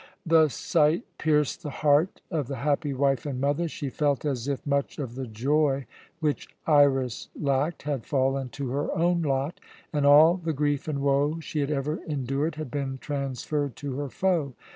The sight pierced the heart of the happy wife and mother. She felt as if much of the joy which Iras lacked had fallen to her own lot, and all the grief and woe she had ever endured had been transferred to her foe.